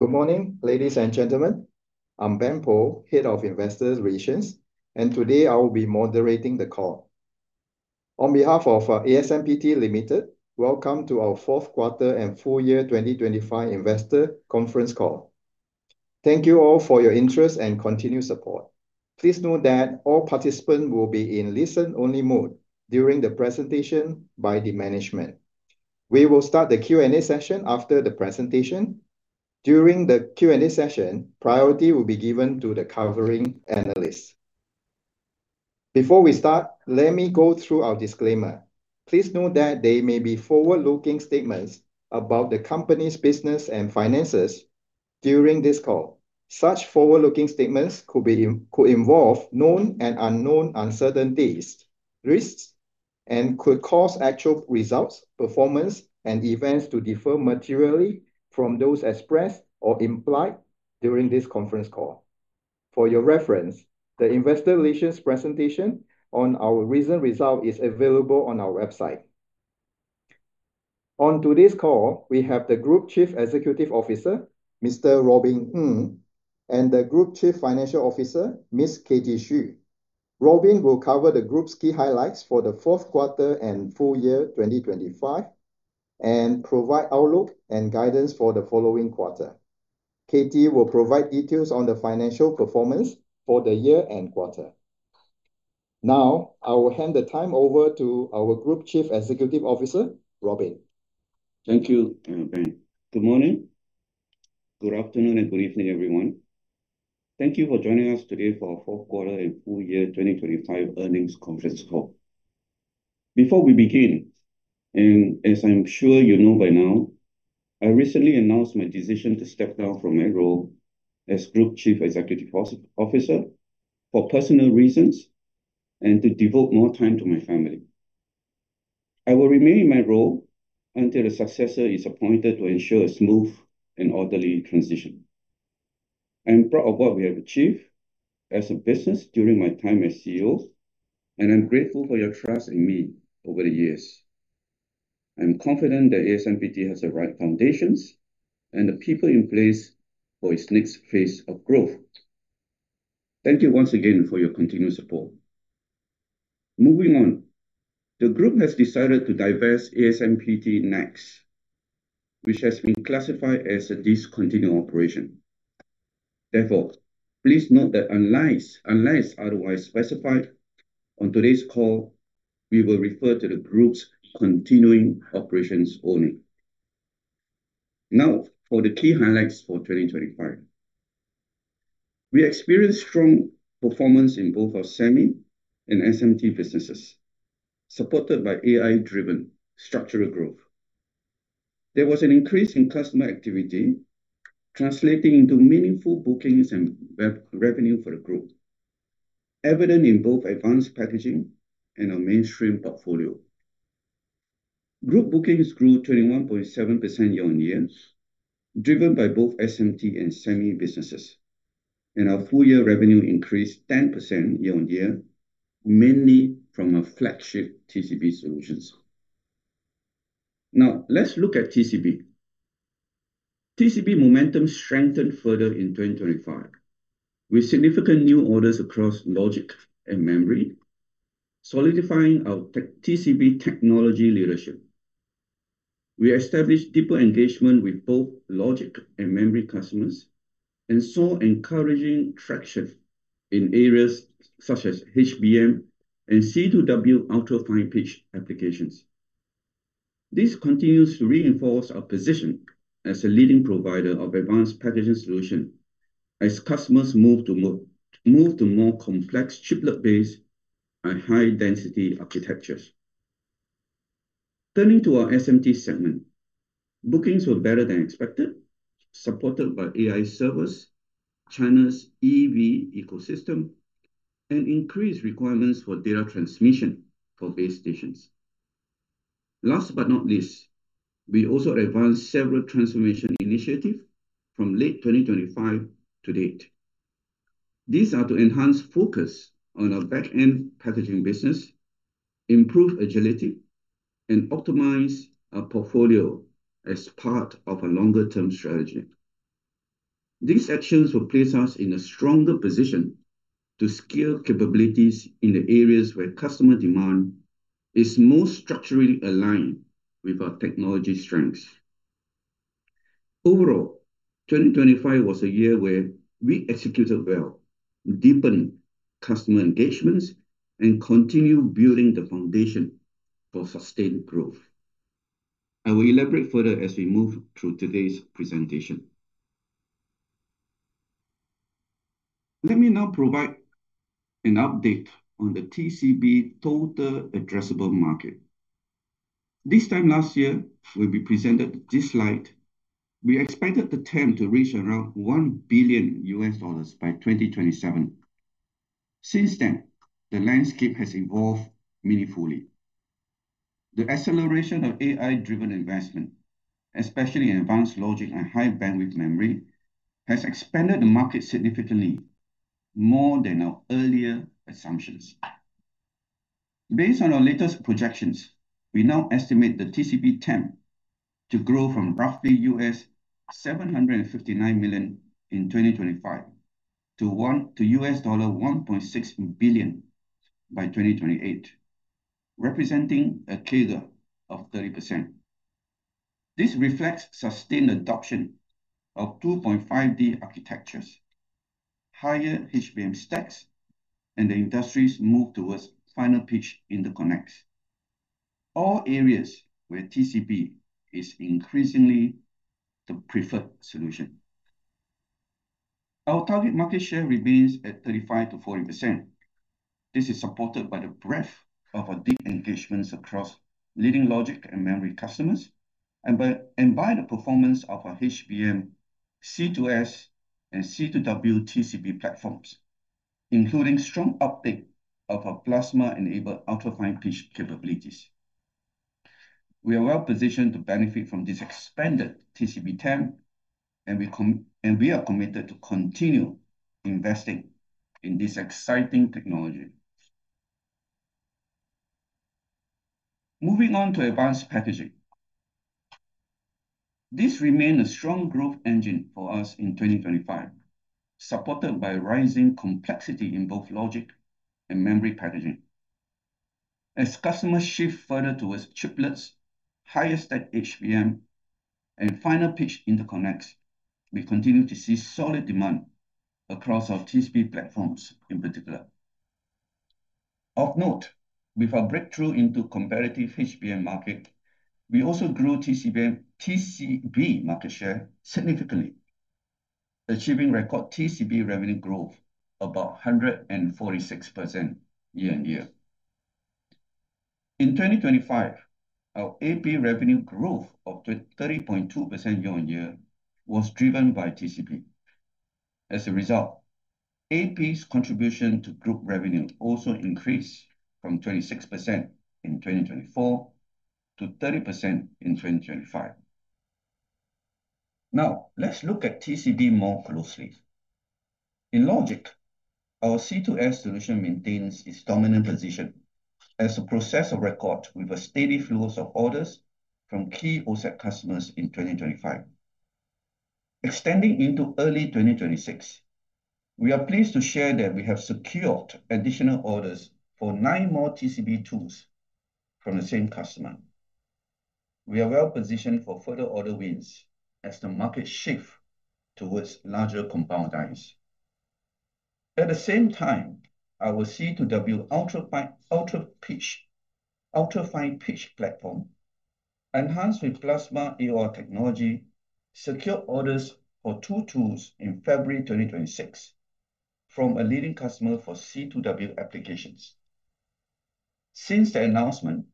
Good morning, ladies and gentlemen. I'm Benjamin Poh, Head of Investor Relations. Today I will be moderating the call. On behalf of ASMPT Limited, welcome to our fourth quarter and full year 2025 investor conference call. Thank you all for your interest and continued support. Please note that all participants will be in listen-only mode during the presentation by the management. We will start the Q&A session after the presentation. During the Q&A session, priority will be given to the covering analysts. Before we start, let me go through our disclaimer. Please note that there may be forward-looking statements about the company's business and finances during this call. Such forward-looking statements could involve known and unknown uncertainties, risks, and could cause actual results, performance, and events to differ materially from those expressed or implied during this conference call. For your reference, the investor relations presentation on our recent result is available on our website. On today's call, we have the Group Chief Executive Officer, Mr. Robin Ng, and the Group Chief Financial Officer, Ms. Katie Xu. Robin will cover the group's key highlights for the fourth quarter and full year 2025, and provide outlook and guidance for the following quarter. Katie will provide details on the financial performance for the year and quarter. Now, I will hand the time over to our Group Chief Executive Officer, Robin. Thank you, Ben. Good morning, good afternoon, and good evening, everyone. Thank you for joining us today for our fourth quarter and full year 2025 earnings conference call. Before we begin, as I'm sure you know by now, I recently announced my decision to step down from my role as Group Chief Executive Officer for personal reasons and to devote more time to my family. I will remain in my role until a successor is appointed to ensure a smooth and orderly transition. I am proud of what we have achieved as a business during my time as CEO, and I'm grateful for your trust in me over the years. I'm confident that ASMPT has the right foundations and the people in place for its next phase of growth. Thank you once again for your continued support. Moving on, the group has decided to divest ASMPT NEXX, which has been classified as a discontinued operation. Therefore, please note that unless otherwise specified on today's call, we will refer to the group's continuing operations only. For the key highlights for 2025. We experienced strong performance in both our SEMl and SMT businesses, supported by AI-driven structural growth. There was an increase in customer activity, translating into meaningful bookings and revenue for the group, evident in both Advanced Packaging and our Mainstream portfolio. Group bookings grew 21.7% year-on-year, driven by both SMT and SEMl businesses, and our full-year revenue increased 10% year-on-year, mainly from our flagship TCB solutions. Let's look at TCB. TCB momentum strengthened further in 2025 with significant new orders across Logic and Memory, solidifying our TCB technology leadership. We established deeper engagement with both Logic and Memory customers and saw encouraging traction in areas such as HBM and C2W ultra-fine pitch applications. This continues to reinforce our position as a leading provider of Advanced Packaging solution as customers move to more complex chiplet-based and high-density architectures. Turning to our SMT segment, bookings were better than expected, supported by AI servers, China's EV ecosystem, and increased requirements for data transmission for base stations. Last but not least, we also advanced several transformation initiative from late 2025 to date. These are to enhance focus on our Back-End Packaging business, improve agility, and optimize our portfolio as part of a longer-term strategy. These actions will place us in a stronger position to scale capabilities in the areas where customer demand is most structurally aligned with our technology strengths. Overall, 2025 was a year where we executed well, deepening customer engagements, and continued building the foundation for sustained growth. I will elaborate further as we move through today's presentation. Let me now provide an update on the TCB total addressable market. This time last year, when we presented this slide, we expected the TAM to reach around $1 billion by 2027. The landscape has evolved meaningfully. The acceleration of AI-driven investment, especially in advanced logic and High Bandwidth Memory, has expanded the market significantly more than our earlier assumptions. Based on our latest projections, we now estimate the TCB TAM to grow from roughly $759 million in 2025 to $1.6 billion by 2028, representing a CAGR of 30%. This reflects sustained adoption of 2.5D architectures, higher HBM stacks, and the industry's move towards fine-pitch interconnects, all areas where TCB is increasingly the preferred solution. Our target market share remains at 35%-40%. This is supported by the breadth of our deep engagements across leading Logic and Memory customers and by the performance of our HBM C2S and C2W TCB platforms, including strong uptake of our plasma-enabled ultra-fine pitch capabilities. We are well positioned to benefit from this expanded TCB TAM, and we are committed to continue investing in this exciting technology. Moving on to Advanced Packaging. This remained a strong growth engine for us in 2025, supported by rising complexity in both Logic and Memory packaging. As customers shift further towards chiplets, higher stack HBM, and fine-pitch interconnects, we continue to see solid demand across our TCB platforms in particular. Of note, with our breakthrough into competitive HBM market, we also grew TCB market share significantly, achieving record TCB revenue growth, about 146% year-on-year. In 2025, our AP revenue growth of 30.2% year-on-year was driven by TCB. As a result, AP's contribution to group revenue also increased from 26% in 2024 to 30% in 2025. Let's look at TCB more closely. In logic, our C2S solution maintains its dominant position as a Process of Record with a steady flow of orders from key OSAT customers in 2025. Extending into early 2026, we are pleased to share that we have secured additional orders for nine more TCB tools from the same customer. We are well positioned for further order wins as the market shift towards larger compound dies. At the same time, our C2W ultra-fine pitch platform, enhanced with Plasma AOR technology, secured orders for two tools in February 2026 from a leading customer for C2W applications. Since the announcement,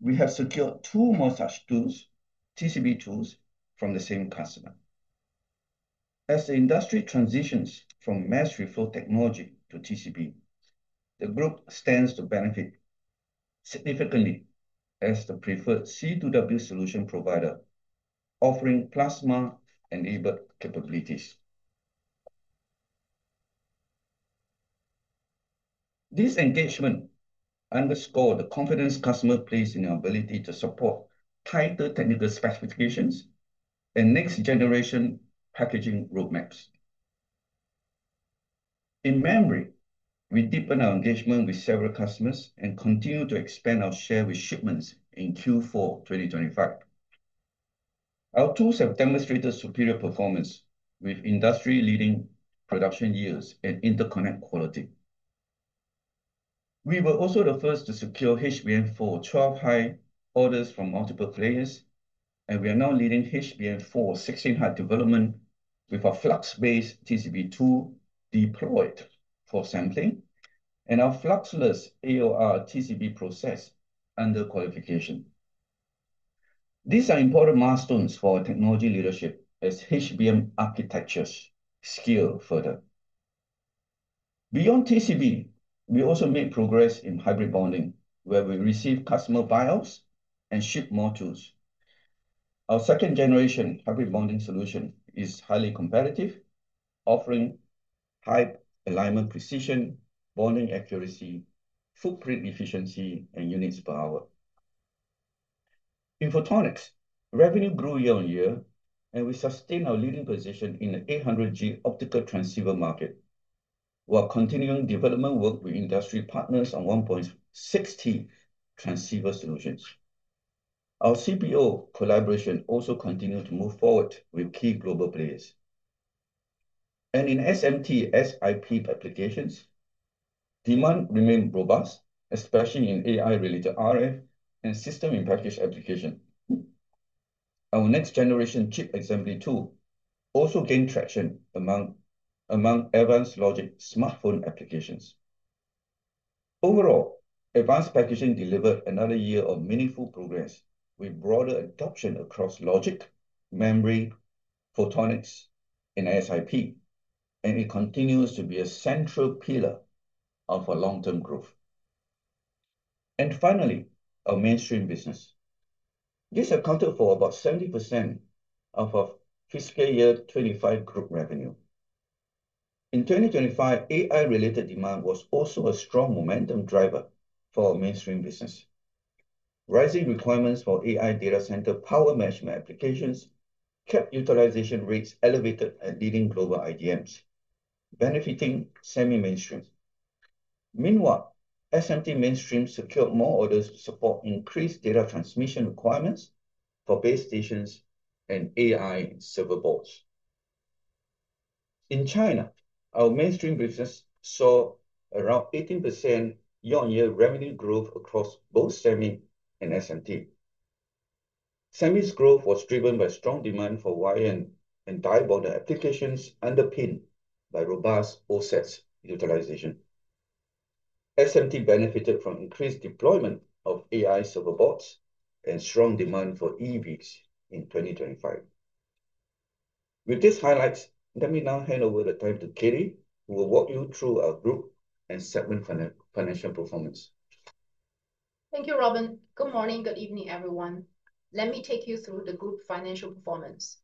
we have secured two more such tools, TCB tools, from the same customer. As the industry transitions from mass reflow technology to TCB, the group stands to benefit significantly as the preferred C2W solution provider offering plasma-enabled capabilities. This engagement underscore the confidence customer place in our ability to support tighter technical specifications and next-generation packaging roadmaps. In Memory, we deepened our engagement with several customers and continued to expand our share with shipments in Q4 2025. Our tools have demonstrated superior performance with industry-leading production yields and interconnect quality. We were also the first to secure HBM4 12-high orders from multiple players, and we are now leading HBM4 16-high development with our flux-based TCB tool deployed for sampling and our fluxless AOR TCB process under qualification. These are important milestones for our technology leadership as HBM architectures scale further. Beyond TCB, we also made progress in Hybrid Bonding, where we received customer buy-offs and shipped more tools. Our second-generation Hybrid Bonding solution is highly competitive, offering high alignment precision, bonding accuracy, footprint efficiency, and units per hour. In Photonics, revenue grew year-on-year, and we sustained our leading position in the 800G optical transceiver market while continuing development work with industry partners on 1.6T transceiver solutions. Our CPO collaboration also continued to move forward with key global players. In SMT SiP applications, demand remained robust, especially in AI-related RF and system-in-package application. Our next-generation chip assembly tool also gained traction among advanced logic smartphone applications. Overall, Advanced Packaging delivered another year of meaningful progress with broader adoption across Logic, Memory, Photonics, and SiP, and it continues to be a central pillar of our long-term growth. Finally, our mainstream business. This accounted for about 70% of our fiscal year 25 group revenue. In 2025, AI-related demand was also a strong momentum driver for our mainstream business. Rising requirements for AI data center power management applications kept utilization rates elevated at leading global IDMs, benefiting SEMI mainstream. Meanwhile, SMT mainstream secured more orders to support increased data transmission requirements for base stations and AI server boards. In China, our mainstream business saw around 18% year-on-year revenue growth across both SEMI and SMT. SEMI's growth was driven by strong demand for wire and die bond applications underpinned by robust OSATs utilization. SMT benefited from increased deployment of AI server boards and strong demand for EVs in 2025. With these highlights, let me now hand over the time to Katie, who will walk you through our group and segment financial performance. Thank you, Robin. Good morning, good evening, everyone. Let me take you through the group financial performance.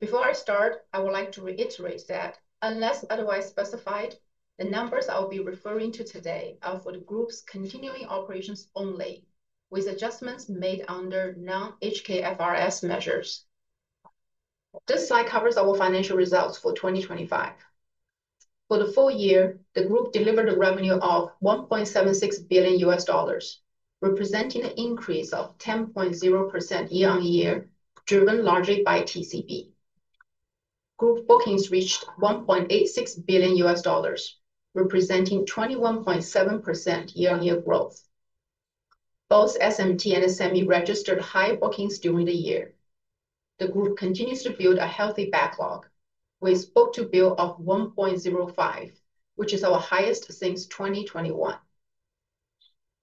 Before I start, I would like to reiterate that unless otherwise specified, the numbers I'll be referring to today are for the group's continuing operations only, with adjustments made under non-HKFRS measures. This slide covers our financial results for 2025. For the full year, the group delivered a revenue of $1.76 billion, representing an increase of 10.0% year-on-year, driven largely by TCB. Group bookings reached $1.86 billion, representing 21.7% year-on-year growth. Both SMT and SEMI registered high bookings during the year. The group continues to build a healthy backlog with book-to-bill of 1.05, which is our highest since 2021.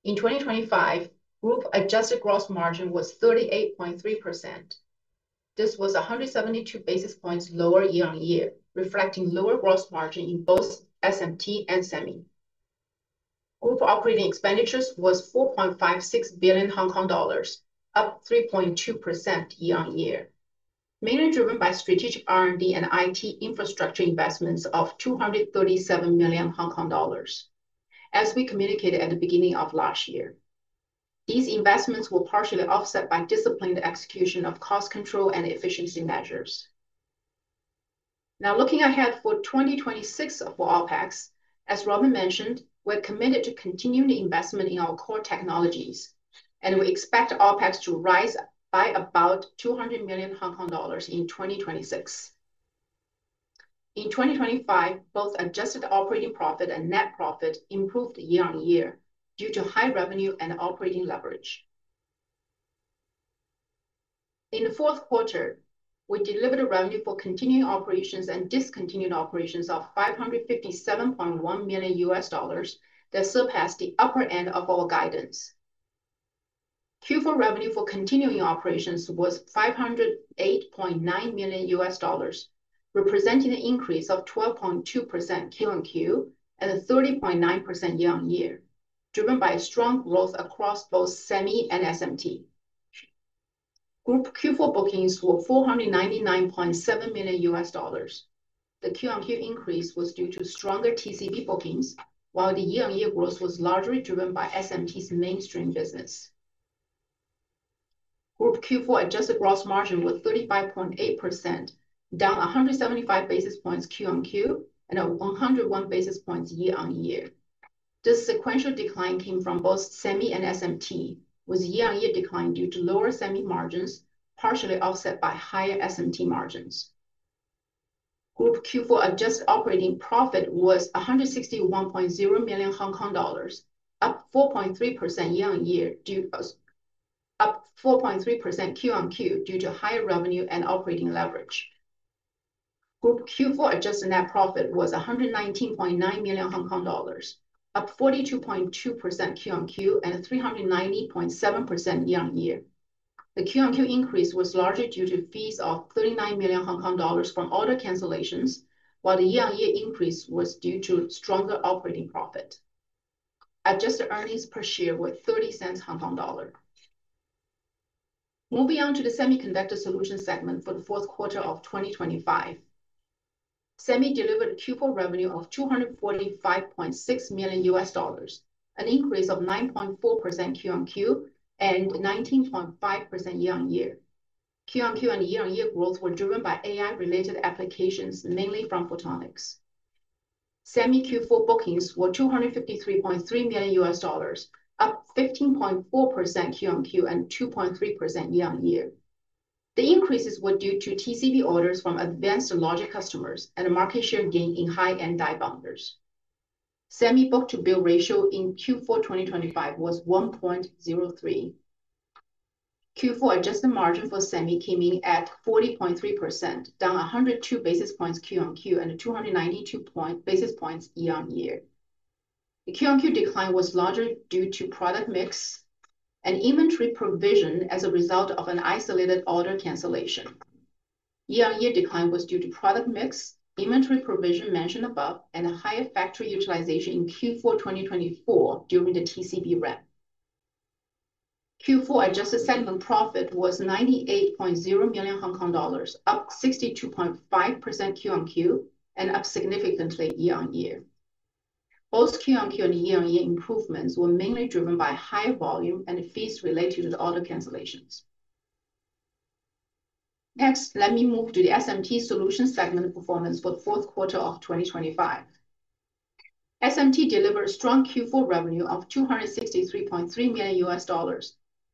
In 2025, group adjusted gross margin was 38.3%. This was 172 basis points lower year-on-year, reflecting lower gross margin in both SMT and SEMI. Group operating expenditures was 4.56 billion Hong Kong dollars, up 3.2% year-on-year, mainly driven by strategic R&D and IT infrastructure investments of 237 million Hong Kong dollars. As we communicated at the beginning of last year, these investments were partially offset by disciplined execution of cost control and efficiency measures. Looking ahead for 2026 for OpEx, as Robin mentioned, we're committed to continuing the investment in our core technologies, and we expect OpEx to rise by about 200 million Hong Kong dollars in 2026. In 2025, both adjusted operating profit and net profit improved year-on-year due to high revenue and operating leverage. In the fourth quarter, we delivered a revenue for continuing operations and discontinued operations of $557.1 million that surpassed the upper end of our guidance. Q4 revenue for continuing operations was $508.9 million, representing an increase of 12.2% QoQ and 30.9% year-on-year, driven by strong growth across both SEMI and SMT. Group Q4 bookings were $499.7 million. The QoQ increase was due to stronger TCB bookings, while the year-on-year growth was largely driven by SMT's mainstream business. Group Q4 adjusted gross margin was 35.8%, down 175 basis points QoQ and 101 basis points year-on-year. This sequential decline came from both SEMI and SMT, with year-on-year decline due to lower SEMI margins, partially offset by higher SMT margins. Group Q4 adjusted operating profit was 161.0 million Hong Kong dollars, up 4.3% year-on-year up 4.3% QoQ due to higher revenue and operating leverage. Group Q4 adjusted net profit was 119.9 million Hong Kong dollars, up 42.2% QoQ and 390.7% year-on-year. The QoQ increase was largely due to fees of 39 million Hong Kong dollars from order cancellations, while the year-on-year increase was due to stronger operating profit. Adjusted EPS were HKD 0.30. Moving on to the Semiconductor Solutions segment for the fourth quarter of 2025. SEMl delivered Q4 revenue of $245.6 million, an increase of 9.4% QoQ and 19.5% year-over-year. QoQ and year-over-year growth were driven by AI-related applications, mainly from Photonics. SEMl Q4 bookings were $253.3 million, up 15.4% QoQ and 2.3% year-over-year. The increases were due to TCB orders from advanced logic customers and a market share gain in high-end die bonders. SEMl book-to-bill ratio in Q4 2025 was 1.03. Q4 adjusted margin for SEMl came in at 40.3%, down 102 basis points QoQ and 292 basis points year-over-year. The QoQ decline was largely due to product mix and inventory provision as a result of an isolated order cancellation. Year-on-year decline was due to product mix, inventory provision mentioned above, and a higher factory utilization in Q4 2024 during the TCB ramp. Q4 adjusted segment profit was 98.0 million Hong Kong dollars, up 62.5% QoQ, and up significantly year-on-year. Both QoQ and year-on-year improvements were mainly driven by higher volume and fees related to the order cancellations. Let me move to the SMT Solutions segment performance for the fourth quarter of 2025. SMT delivered strong Q4 revenue of $263.3 million,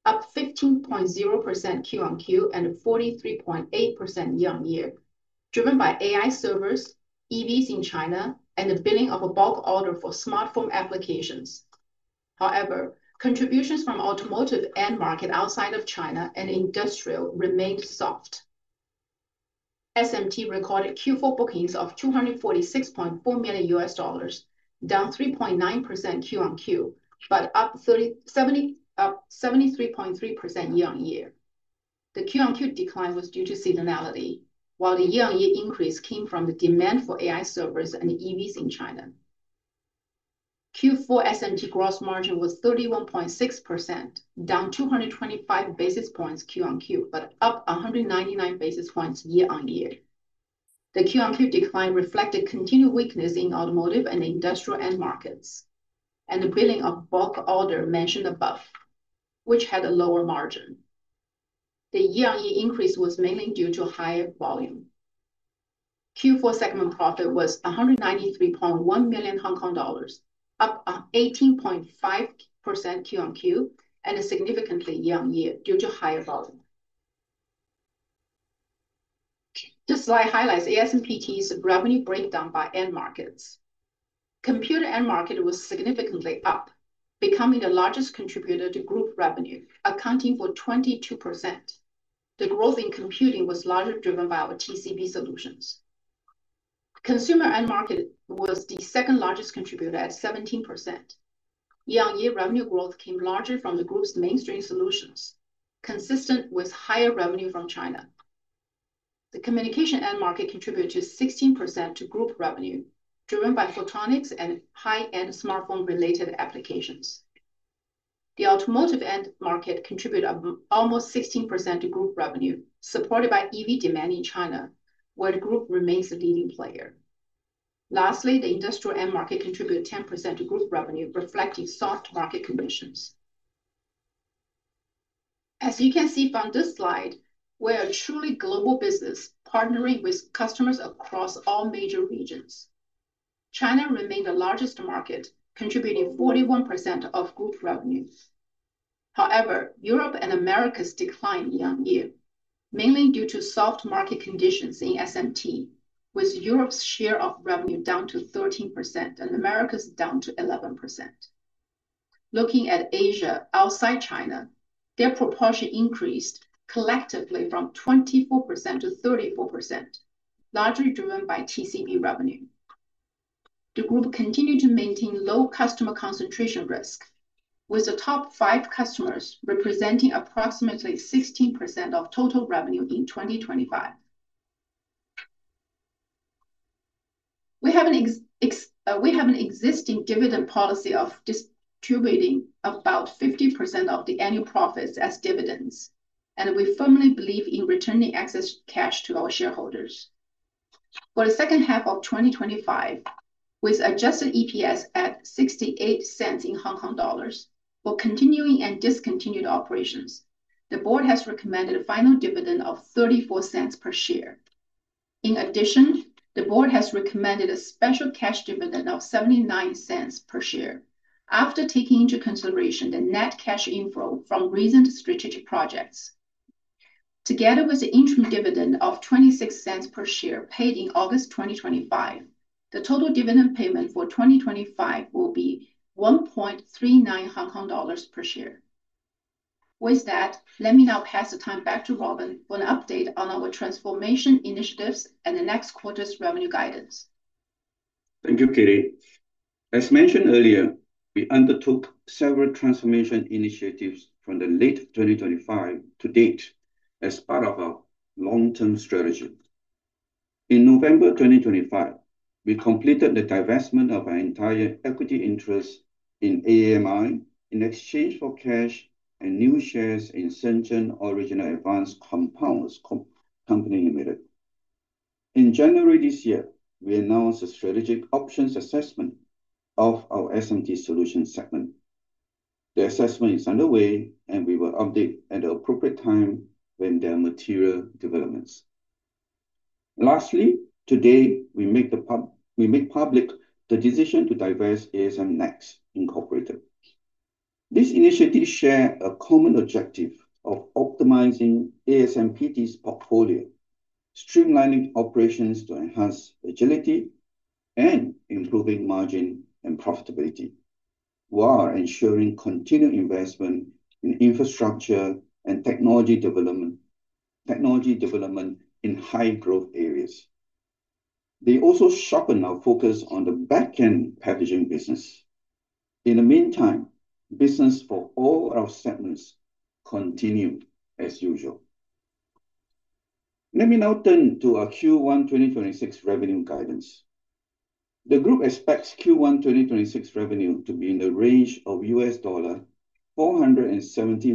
up 15.0% QoQ and 43.8% year-on-year, driven by AI servers, EVs in China, and the billing of a bulk order for smartphone applications. Contributions from automotive end market outside of China and industrial remained soft. SMT recorded Q4 bookings of $246.4 million, down 3.9% QoQ, up 73.3% year-on-year. The QoQ decline was due to seasonality, while the year-on-year increase came from the demand for AI servers and EVs in China. Q4 SMT gross margin was 31.6%, down 225 basis points QoQ, up 199 basis points year-on-year. The QoQ decline reflected continued weakness in automotive and industrial end markets, and the billing of bulk order mentioned above, which had a lower margin. The year-on-year increase was mainly due to higher volume. Q4 segment profit was 193.1 million Hong Kong dollars, up 18.5% QoQ, and significantly year-on-year due to higher volume. This slide highlights ASMPT's revenue breakdown by end markets. Computer end market was significantly up, becoming the largest contributor to group revenue, accounting for 22%. The growth in computing was largely driven by our TCB solutions. Consumer end market was the second largest contributor at 17%. Year-on-year revenue growth came largely from the group's mainstream solutions, consistent with higher revenue from China. The communication end-market contributed 16% to group revenue, driven by Photonics and high-end smartphone-related applications. The automotive end-market contributed almost 16% to group revenue, supported by EV demand in China, where the group remains the leading player. Lastly, the industrial end-market contributed 10% to group revenue, reflecting soft market conditions. As you can see from this slide, we are a truly global business, partnering with customers across all major regions. China remained the largest market, contributing 41% of group revenues. However, Europe and Americas declined year-on-year, mainly due to soft market conditions in SMT, with Europe's share of revenue down to 13% and Americas down to 11%. Looking at Asia outside China, their proportion increased collectively from 24% to 34%, largely driven by TCB revenue. The group continued to maintain low customer concentration risk, with the top 5 customers representing approximately 16% of total revenue in 2025. We have an existing dividend policy of distributing about 50% of the annual profits as dividends. We firmly believe in returning excess cash to our shareholders. For the second half of 2025, with adjusted EPS at 0.68 for continuing and discontinued operations, the board has recommended a final dividend of 0.34 per share. In addition, the board has recommended a special cash dividend of 0.79 per share after taking into consideration the net cash inflow from recent strategic projects. Together with the interim dividend of 0.26 per share paid in August 2025, the total dividend payment for 2025 will be 1.39 Hong Kong dollars per share. With that, let me now pass the time back to Robin for an update on our transformation initiatives and the next quarter's revenue guidance. Thank you, Kitty. As mentioned earlier, we undertook several transformation initiatives from the late 2025 to date as part of our long-term strategy. In November 2025, we completed the divestment of our entire equity interest in AAMI in exchange for cash and new shares in Shenzhen Original Advanced Compounds Co., Ltd. In January this year, we announced a strategic options assessment of our SMT Solutions segment. The assessment is underway, we will update at the appropriate time when there are material developments. Lastly, today, we make public the decision to divest ASMPT NEXX, Inc. These initiatives share a common objective of optimizing ASMPT's portfolio, streamlining operations to enhance agility, and improving margin and profitability, while ensuring continued investment in infrastructure and technology development in high growth areas. They also sharpen our focus on the Back-End Packaging business. In the meantime, business for all our segments continue as usual. Let me now turn to our Q1 2026 revenue guidance. The group expects Q1 2026 revenue to be in the range of $470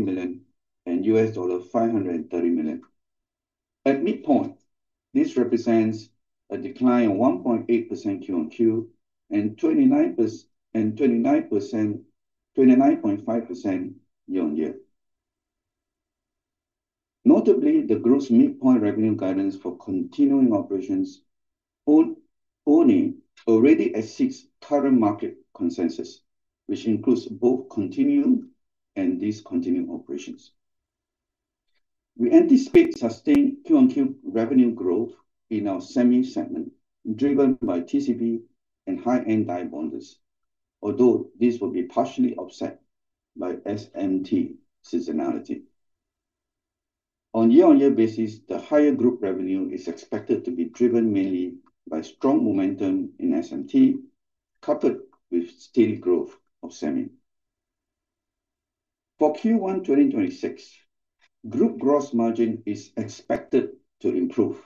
million-$530 million. At midpoint, this represents a decline of 1.8% QoQ and 29.5% year-on-year. Notably, the group's midpoint revenue guidance for continuing operations only already exceeds current market consensus, which includes both continuing and discontinuing operations. We anticipate sustained QoQ revenue growth in our SEMI segment, driven by TCB and high-end die bonders, although this will be partially offset by SMT seasonality. On year-on-year basis, the higher group revenue is expected to be driven mainly by strong momentum in SMT, coupled with steady growth of SEMI. For Q1 2026, group gross margin is expected to improve,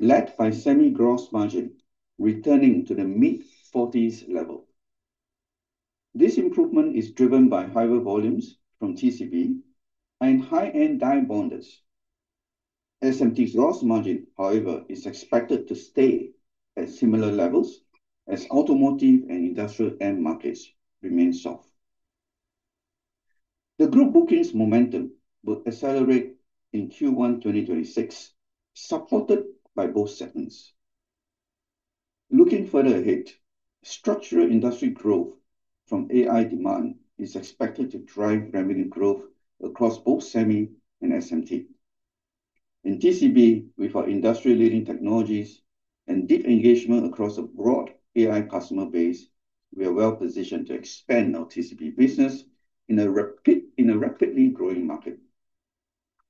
led by SEMl gross margin returning to the mid-forties level. This improvement is driven by higher volumes from TCB and high-end die bonders. SMT's gross margin, however, is expected to stay at similar levels as automotive and industrial end markets remain soft. The group bookings momentum will accelerate in Q1 2026, supported by both segments. Looking further ahead, structural industry growth from AI demand is expected to drive revenue growth across both SEMl and SMT. In TCB, with our industry-leading technologies and deep engagement across a broad AI customer base, we are well positioned to expand our TCB business in a rapidly growing market.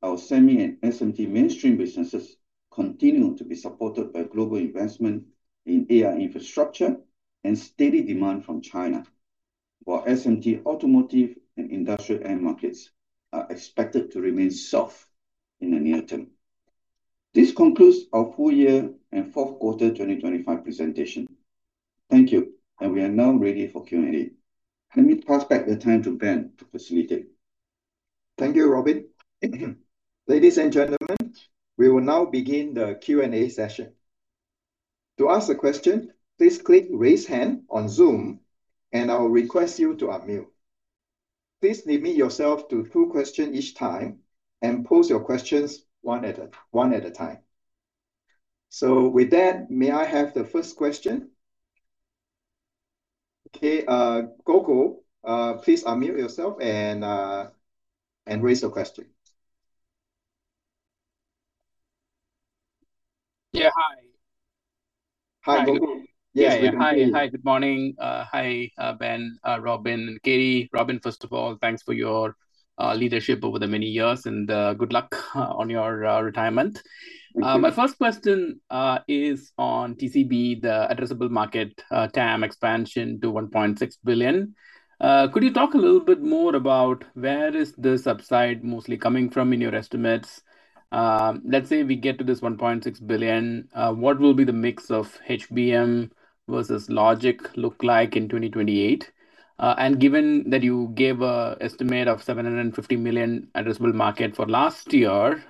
Our SEMI and SMT mainstream businesses continue to be supported by global investment in AI infrastructure and steady demand from China, while SMT, automotive and industrial end markets are expected to remain soft in the near term. This concludes our full year and fourth quarter 2025 presentation. Thank you. We are now ready for Q&A. Let me pass back the time to Ben to facilitate. Thank you, Robin. Ladies and gentlemen, we will now begin the Q&A session. To ask a question, please click Raise Hand on Zoom, and I will request you to unmute. Please limit yourself to two question each time and pose your questions one at a time. With that, may I have the first question? Okay, Gokul, please unmute yourself and raise your question. Yeah, hi. Hi, Gokul. Yes, we can hear you. Yeah. Hi. Hi. Good morning, hi, Ben, Robin and Katie. Robin, first of all, thanks for your leadership over the many years, and good luck on your retirement. Thank you. My first question is on TCB, the addressable market, TAM expansion to $1.6 billion. Could you talk a little bit more about where is this upside mostly coming from in your estimates? Let's say we get to this $1.6 billion, what will be the mix of HBM versus Logic look like in 2028? Given that you gave a estimate of $750 million addressable market for last year,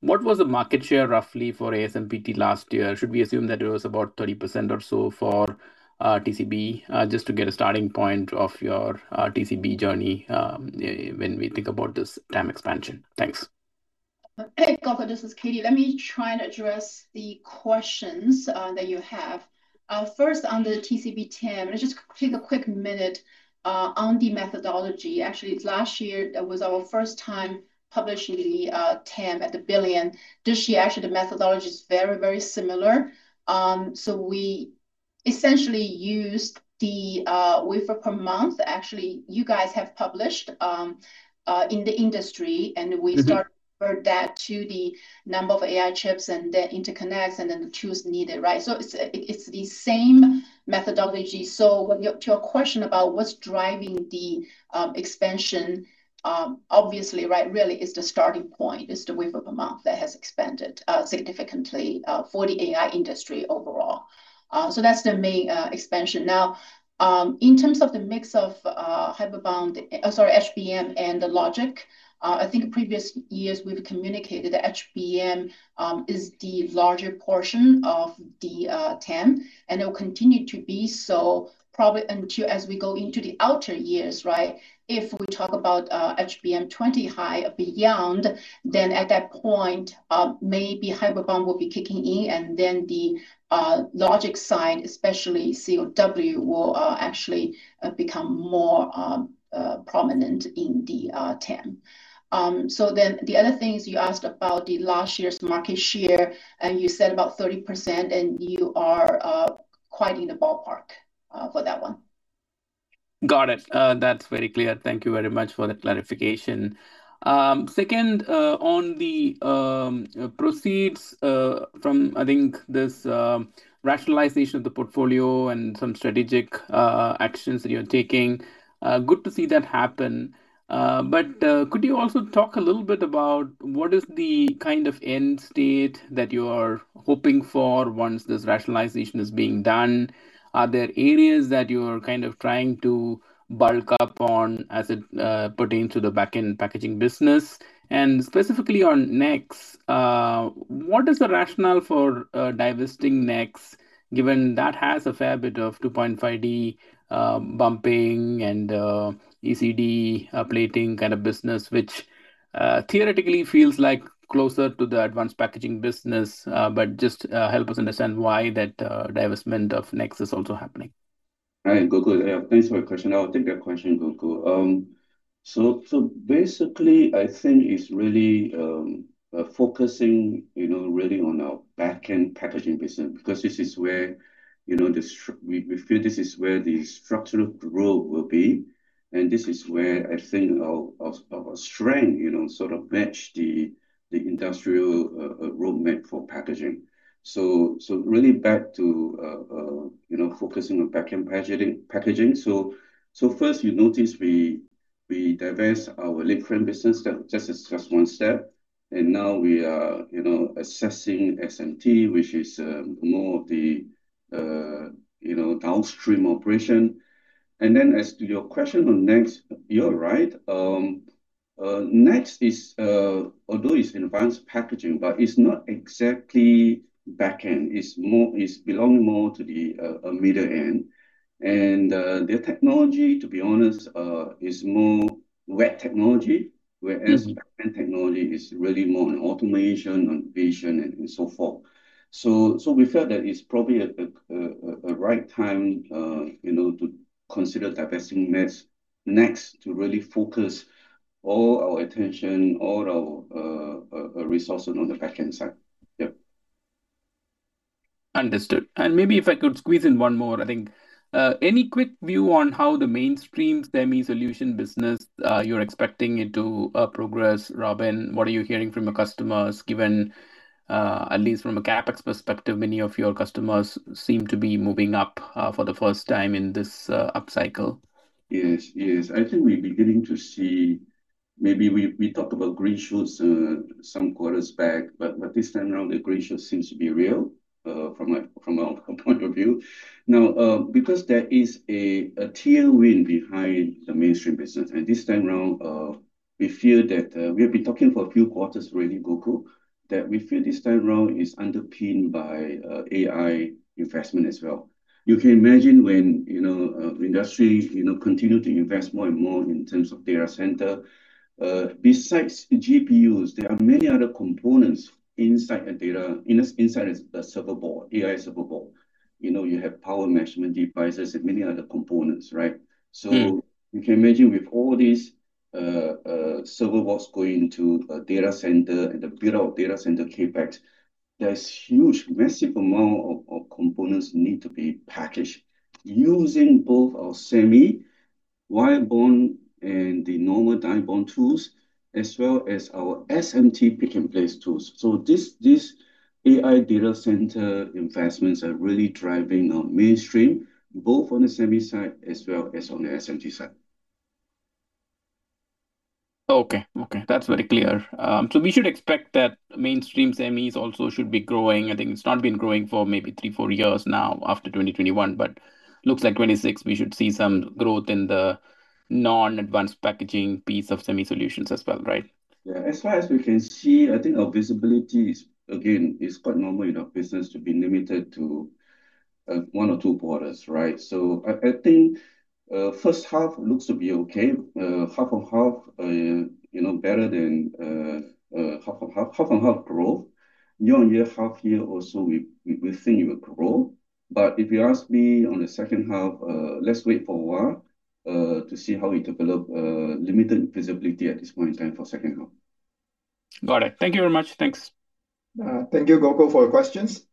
what was the market share roughly for ASMPT last year? Should we assume that it was about 30% or so for TCB, just to get a starting point of your TCB journey, when we think about this TAM expansion? Thanks. Hey, Goku, this is Katie. Let me try and address the questions, that you have. First, on the TCB TAM, let's just take a quick minute, on the methodology. Actually, last year, that was our first time publishing the, TAM at the billion. This year, actually, the methodology is very, very similar. We essentially used the, wafer per month, actually, you guys have published, in the industry we start compared that to the number of AI chips and the interconnects and then the tools needed, right? It's the same methodology. To your question about what's driving the expansion, obviously, right, really is the starting point, is the wafers per month that has expanded significantly for the AI industry overall. That's the main expansion. In terms of the mix Hybrid Bonding, sorry, HBM and the Logic, I think previous years we've communicated the HBM is the larger portion of the TAM, and it will continue to be so probably until as we go into the outer years, right? If we talk about HBM20 high beyond, then at that point, Hybrid Bonding will be kicking in, and then the Logic side, especially CoW, will actually become more prominent in the TAM. The other things you asked about the last year's market share, and you said about 30%, and you are quite in the ballpark for that one. Got it. That's very clear. Thank you very much for that clarification. Second, on the proceeds from, I think this, rationalization of the portfolio and some strategic actions that you're taking, good to see that happen. Could you also talk a little bit about what is the kind of end state that you are hoping for once this rationalization is being done? Are there areas that you're kind of trying to bulk up on as it pertains to the Back-End Packaging business? Specifically on NEXX, what is the rationale for divesting NEXX given that has a fair bit of 2.5D bumping and ECD plating kind of business, which theoretically feels like closer to the Advanced Packaging business. Just help us understand why that divestment of NEXX is also happening? Right. Gokul, yeah, thanks for your question. I'll take that question, Gokul. Basically, I think it's really focusing, you know, really on our Back-End Packaging business because this is where, you know, we feel this is where the structural growth will be, and this is where I think our strength, you know, sort of match the industrial roadmap for packaging. Really back to, you know, focusing on Back-End Packaging. First you notice we divest our liquid business. That just is just one step. Now we are, you know, assessing SMT, which is more of the, you know, downstream operation. Then as to your question on NEXX, you're right. NEXX is, although it's Advanced Packaging, but it's not exactly back-end. It's more, it's belonging more to the middle end. Their technology, to be honest, is more wet technology whereas back-end technology is really more on automation, on vision and so forth. We felt that it's probably a right time, you know, to consider divesting NEXX to really focus all our attention, all our resources on the back-end side. Yeah. Understood. Maybe if I could squeeze in one more, I think. Any quick view on how the mainstream SEMl Solution business you're expecting it to progress, Robin? What are you hearing from your customers, given at least from a CapEx perspective, many of your customers seem to be moving up for the first time in this upcycle? Yes. Yes. I think we're beginning to see maybe we talked about green shoots, some quarters back, but this time around the green shoots seems to be real, from a point of view. Now, because there is a tailwind behind the mainstream business, and this time around, we feel that, we have been talking for a few quarters already, Goku, that we feel this time around is underpinned by AI investment as well. You can imagine when, you know, industry, you know, continue to invest more and more in terms of data center. Besides GPUs, there are many other components inside a data, inside a server board, AI server board. You know, you have power measurement devices and many other components, right? You can imagine with all these server boards going into a data center and the build-out of data center CapEx, there's huge, massive amount of components need to be packaged using both our SEMl wire bond and the normal die bond tools, as well as our SMT pick-and-place tools. This AI data center investments are really driving our mainstream, both on the SEMl side as well as on the SMT side. Okay, that's very clear. We should expect that mainstream SEMls also should be growing. I think it's not been growing for maybe 3, 4 years now after 2021, looks like 2026 we should see some growth in the non-Advanced Packaging piece of SEMl Solutions as well, right? Yeah. As far as we can see, I think our visibility is, again, is quite normal in our business to be limited to one or two quarters, right? I think, first half looks to be okay. Half-on-half, you know, better than half-on-half growth. Year-on-year, half year also we think it will grow. If you ask me on the second half, let's wait for a while to see how we develop, limited visibility at this point in time for second half. Got it. Thank you very much. Thanks. thank you, Goku, for your questions.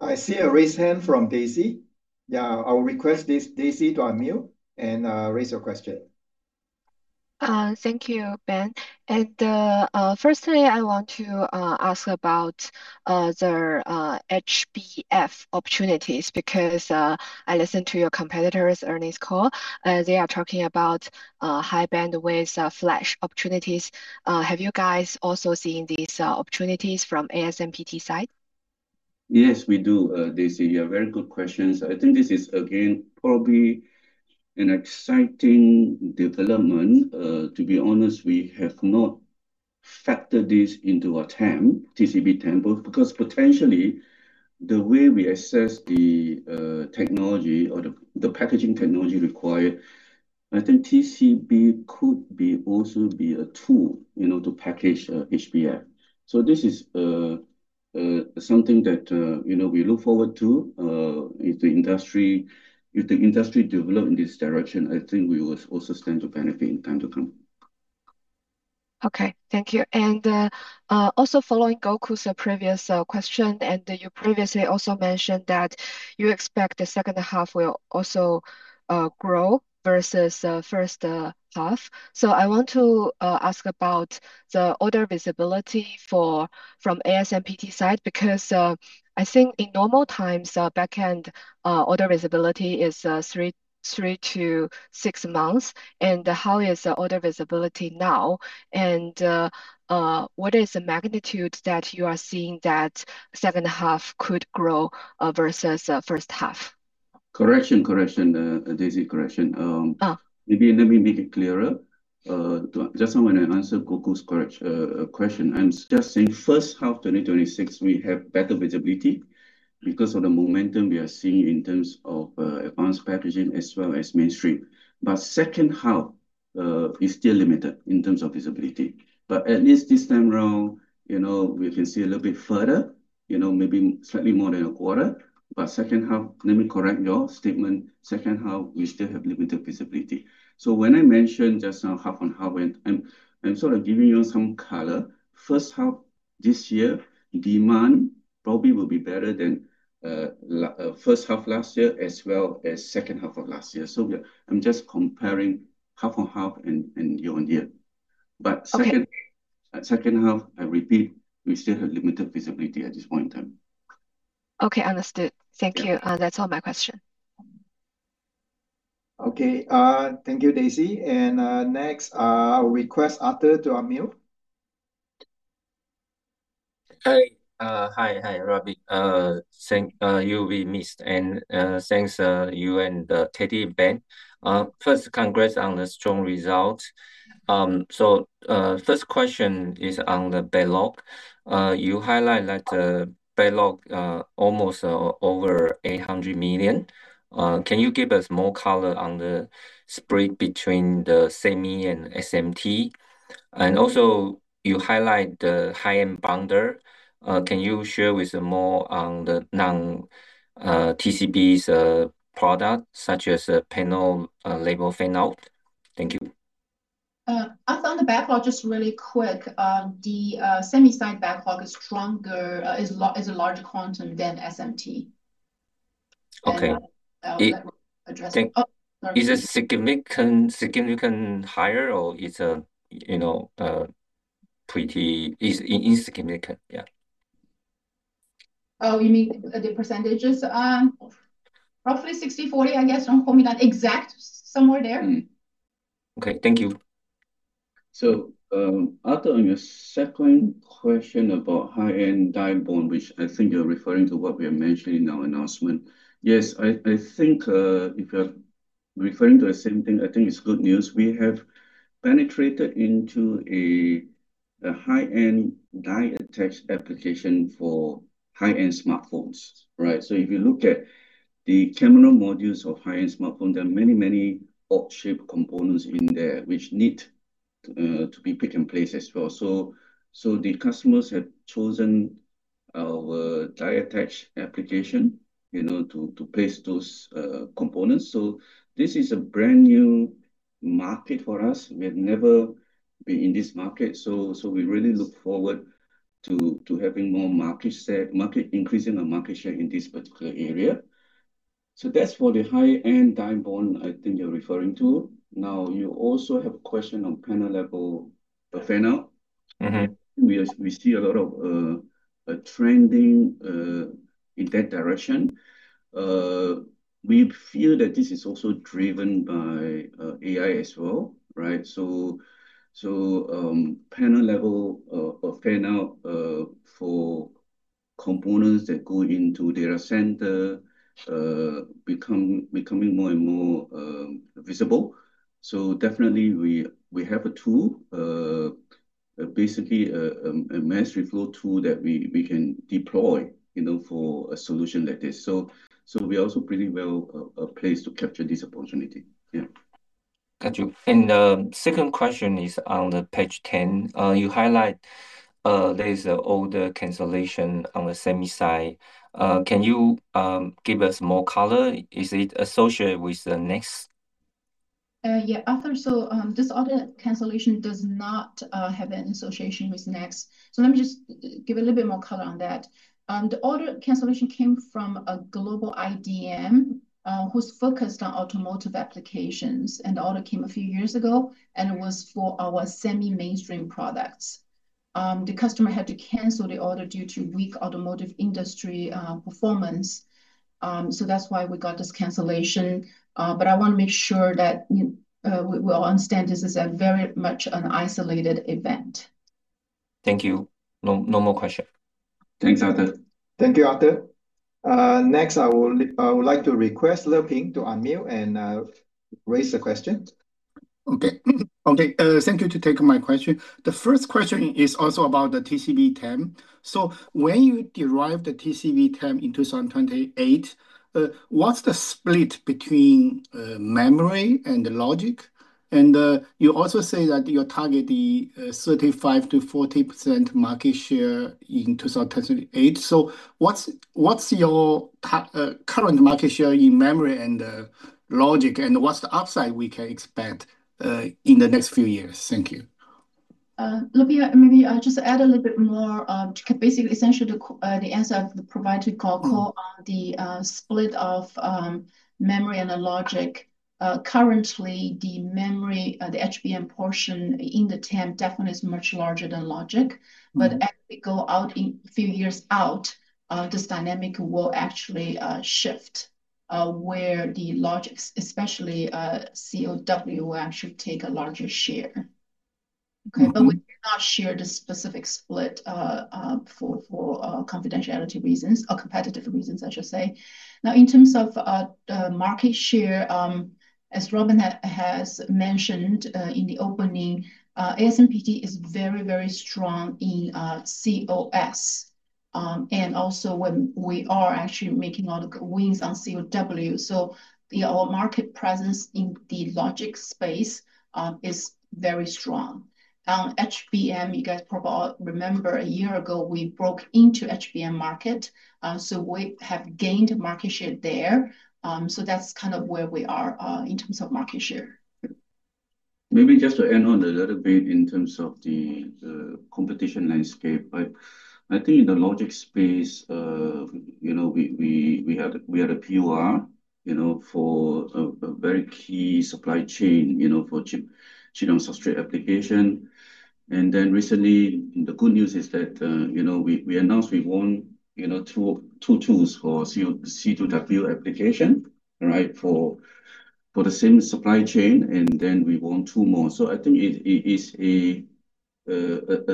I see a raised hand from Daisy. Yeah, I will request this Daisy to unmute and raise your question. Thank you, Ben. Firstly, I want to ask about the HBF opportunities because I listened to your competitors' earnings call. They are talking about High Bandwidth Flash opportunities. Have you guys also seen these opportunities from ASMPT side? Yes, we do, Daisy. Very good questions. I think this is again probably an exciting development. To be honest, we have not factored this into our TAM, TCB TAM, both because potentially the way we assess the technology or the packaging technology required, I think TCB could be also be a tool, you know, to package HBF. This is something that, you know, we look forward to. If the industry develop in this direction, I think we will also stand to benefit in time to come. Okay. Thank you. Also following Gokul's previous question. You previously also mentioned that you expect the second half will also grow versus first half. I want to ask about the order visibility from ASMPT side, because I think in normal times, backend order visibility is 3-6 months. How is the order visibility now? What is the magnitude that you are seeing that second half could grow versus first half? Correction, Daisy, correction. Oh. Maybe let me make it clearer. just now when I answered Goku's question, I'm just saying first half 2026, we have better visibility because of the momentum we are seeing in terms of Advanced Packaging as well as mainstream. Second half is still limited in terms of visibility. At least this time around, you know, we can see a little bit further, you know, maybe slightly more than a quarter. Second half, let me correct your statement, second half, we still have limited visibility. When I mentioned just now half on half, and I'm sort of giving you some color, first half this year, demand probably will be better than first half last year as well as second half of last year. I'm just comparing half on half and year-on-year. But second- Okay. Second half, I repeat, we still have limited visibility at this point in time. Okay. Understood. Thank you. Yeah. That's all my question. Okay. Thank you, Daisy. Next, request Arthur to unmute. Hi. Hi, Robin. Thanks. You'll be missed. Thanks, you and Katie and Ben. First, congrats on the strong results. First question is on the backlog. You highlight that the backlog almost over $800 million. Can you give us more color on the spread between the SEMl and SMT? Also, you highlight the high-end bonder. Can you share with us more on the non-TCB's product such as panel-level fan-out? Thank you. On the backlog, just really quick, the SEMI side backlog is stronger, is a larger quantum than SMT. Okay. That will. Is- Oh, sorry. Is it significant higher or it's a, you know, Is significant? Yeah. Oh, you mean the percentages? Roughly 60/40, I guess. Don't quote me on exact. Somewhere there. Okay, thank you. Arthur, on your second question about high-end die bond, which I think you're referring to what we have mentioned in our announcement. Yes. I think, if you're referring to the same thing, I think it's good news. We have penetrated into a high-end die attach application for high-end smartphones, right? If you look at the camera modules of high-end smartphone, there are many odd-shaped components in there which need to be pick-and-placed as well. The customers have chosen our die attach application, you know, to place those components. This is a brand new market for us. We have never been in this market, so we really look forward to having more market share, increasing our market share in this particular area. That's for the high-end die bond I think you're referring to. You also have a question on panel-level fan-out. We see a lot of trending in that direction. We feel that this is also driven by AI as well, right? Panel-level fan-out for components that go into data center becoming more and more visible. Definitely we have a tool, basically, a mass reflow tool that we can deploy, you know, for a solution like this. We're also pretty well placed to capture this opportunity. Got you. Second question is on page 10. You highlight, there's an order cancellation on the SEMI side. Can you give us more color? Is it associated with NEXX? Yeah. Arthur, this order cancellation does not have any association with NEXX. Let me just give a little bit more color on that. The order cancellation came from a global IDM, who's focused on automotive applications, and the order came a few years ago, and it was for our semi-mainstream products. The customer had to cancel the order due to weak automotive industry performance, that's why we got this cancellation. I want to make sure that you, we all understand this is a very much an isolated event. Thank you. No, no more question. Thanks, Arthur. Thank you, Arthur. Next, I would like to request Liping to unmute and raise the question. Okay. Thank you to take my question. The first question is also about the TCB TAM. When you derive the TCB TAM in 2028, what's the split between Memory and the Logic? You also say that you target the 35% to 40% market share in 2038. What's your current market share in Memory and Logic, and what's the upside we can expect in the next few years? Thank you. Let me maybe just add a little bit more, basically, essentially the answer I've provided, Gokul, on the split of Memory and the Logic. Currently the Memory, the HBM portion in the TAM definitely is much larger than logic. As we go out few years out, this dynamic will actually shift, where the logic, especially, CoW will actually take a larger share. Okay. We cannot share the specific split for confidentiality reasons, or competitive reasons, I should say. In terms of market share, as Robin has mentioned in the opening, ASMPT is very, very strong in CoS. And also when we are actually making a lot of wins on CoW. Our market presence in the logic space is very strong. HBM, you guys remember a year ago we broke into HBM market, so we have gained market share there. That's kind of where we are in terms of market share. Maybe just to add on a little bit in terms of the competition landscape. I think in the logic space, you know, we had a PUR, you know, for a very key supply chain, you know, for Chip-on-Substrate application. Recently the good news is that, you know, we announced we won, you know, two tools for CoW application, right, for the same supply chain, we won two more. I think it is a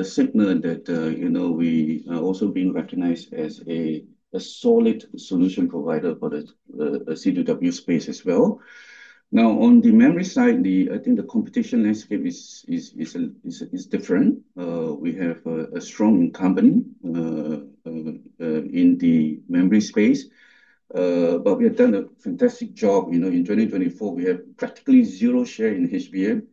signal that, you know, we are also being recognized as a solid solution provider for the C2W space as well. On the Memory side, I think the competition landscape is different. We have a strong incumbent in the Memory space. We have done a fantastic job. You know, in 2024 we have practically zero share in HBM,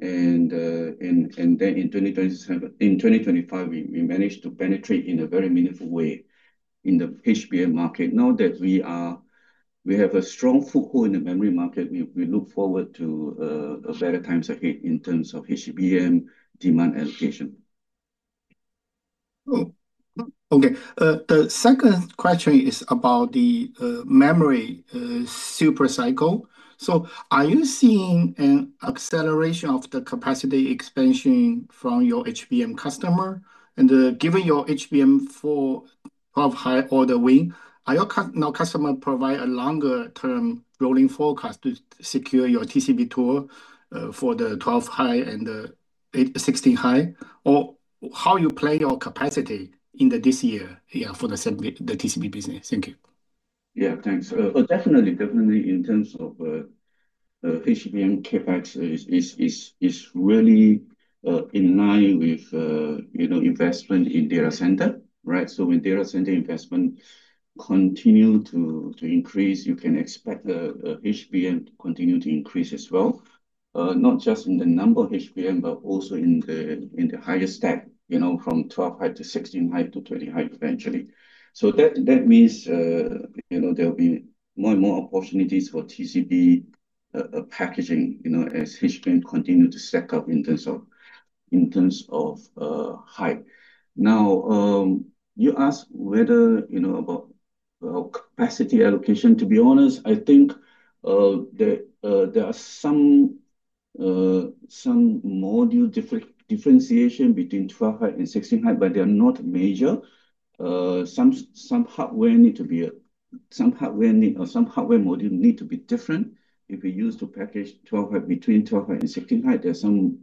and then in 2025 we managed to penetrate in a very meaningful way in the HBM market. Now that we have a strong foothold in the Memory market, we look forward to better times ahead in terms of HBM demand allocation The second question is about the Memory Supercycle. Are you seeing an acceleration of the capacity expansion from your HBM customer? Given your HBM4 12-high order win, are your now customer provide a longer term rolling forecast to secure your TCB tool for the 12-high and 16-high? How you play your capacity in this year for the TCB business? Thank you. Yeah, thanks. Definitely, definitely in terms of HBM CapEx is really in line with, you know, investment in data center, right? When data center investment continue to increase, you can expect the HBM to continue to increase as well. Not just in the number HBM, but also in the higher stack, you know, from 12-high to 16-high to 20-high eventually. That means, you know, there'll be more and more opportunities for TCB packaging, you know, as HBM continue to stack up in terms of height. Now, you asked whether, you know, about capacity allocation. To be honest, I think there are some module differentiation between 12-high and 16-high, but they're not major. Some hardware module need to be different if we use to package 12-high between 12-high and 16-high. There's some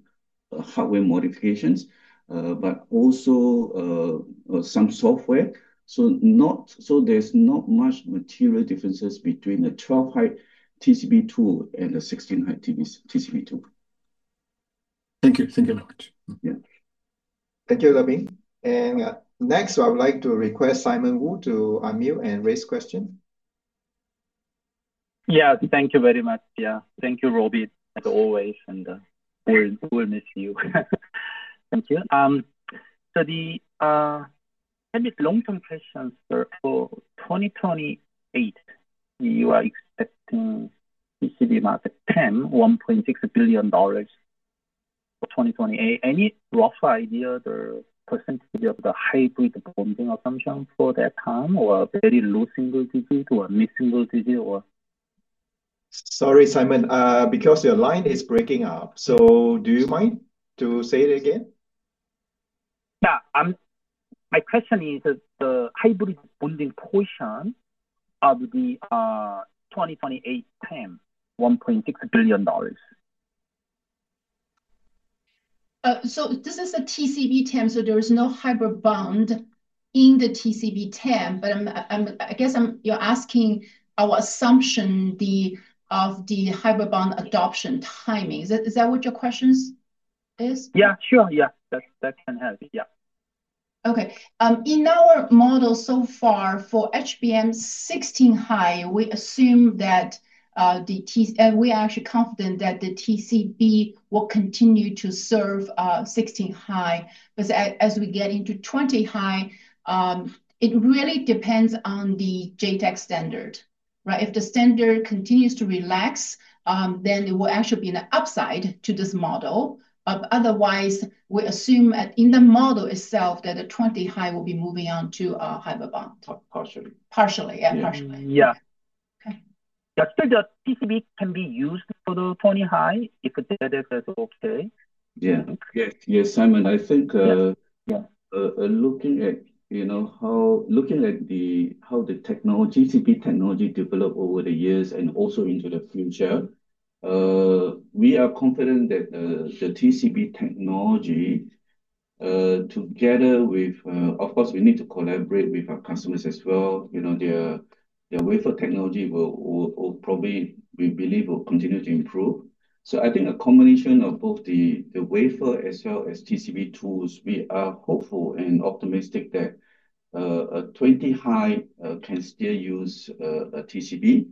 hardware modifications, but also some software. There's not much material differences between the 12-high TCB tool and the 16-high TCB tool. Thank you. Thank you very much. Yeah. Thank you, Robin. Next I would like to request Simon Woo to unmute and raise question. Yeah. Thank you very much. Yeah. Thank you, Robin, as always, and, we'll miss you. Thank you. The long term questions for 2028, you are expecting TCB market TAM $1.6 billion for 2028. Any rough idea the % of the Hybrid Bonding assumption for that time, or very low single digit, or mid single digit, or? Sorry, Simon, because your line is breaking up. Do you mind to say it again? Yeah, my question is the Hybrid Bonding portion of the 2028 TAM $1.6 billion? This is a TCB TAM. There is no hybrid bond in the TCB TAM. I guess I'm you're asking our assumption the, of the hybrid bond adoption timing. Is that what your questions is? Yeah. Sure, yeah. That's, that can help. Yeah. Okay. In our model so far, for HBM 16-high, we assume that, we are actually confident that the TCB will continue to serve, 16-high. As we get into 20-high, it really depends on the JEDEC standard. Right? If the standard continues to relax, then it will actually be an upside to this model. Otherwise, we assume in the model itself that the 20-high will be moving on to, hybrid bond. Par-partially. Partially. Yeah, partially. Yeah. Okay. Yeah. The TCB can be used for the 20-high if the JEDEC has okay? Yeah. Yes, Simon. I think. Yeah. Looking at, you know, how the technology, TCB technology develop over the years and also into the future, we are confident that the TCB technology, together with, of course, we need to collaborate with our customers as well. You know, their wafer technology will probably, we believe, will continue to improve. I think a combination of both the wafer as well as TCB tools, we are hopeful and optimistic that 20-high can still use a TCB.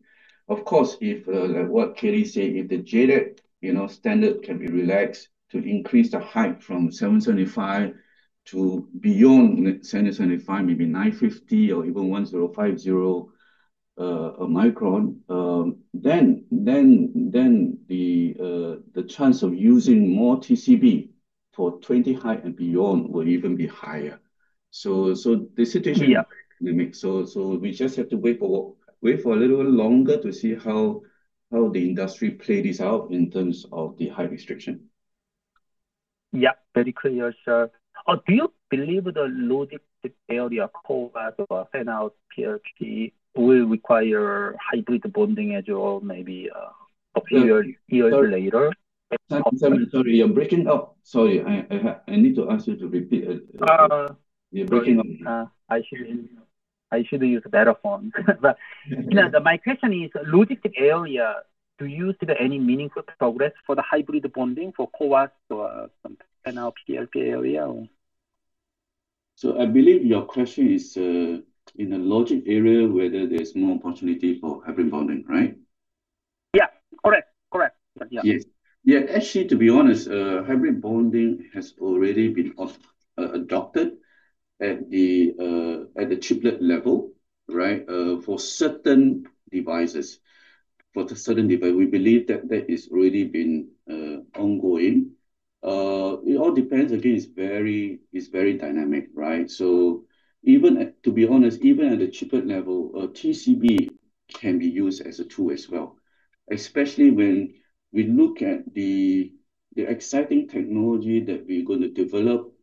Of course, if, like what Katie say, if the JEDEC, you know, standard can be relaxed to increase the height from 775 to beyond 775, maybe 950 or even 1,050 micron, then the chance of using more TCB for 20-high and beyond will even be higher. Yeah. The situation is very dynamic. We just have to wait for a little longer to see how the industry play this out in terms of the high restriction. Yeah, very clear, sure. Do you believe the logic area or fan-out PLP will require Hybrid Bonding as well, maybe, a few years later? Simon, sorry, you're breaking up. Sorry, I need to ask you to repeat. You're breaking up. I should use a better phone. You know, my question is logic area, do you see any meaningful progress for the Hybrid Bonding for COBs or some fan-out PLP area or? I believe your question is in the logic area whether there's more opportunity for Hybrid Bonding, right? Yeah. Correct. Correct. Yeah. Yes. Yeah. Actually, to be honest, Hybrid Bonding has already been adopted at the chiplet level, right, for certain devices. For the certain device. We believe that that is already been ongoing. It all depends. Again, it's very, it's very dynamic, right? Even to be honest, even at the chiplet level, TCB can be used as a tool as well, especially when we look at the exciting technology that we're gonna develop